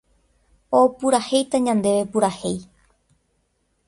opurahéita ñandéve purahéi